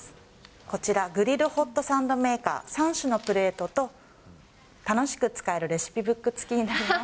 こちら、グリルホットサンドメーカー、３種のプレートと、楽しく使えるレシピブック付きになります。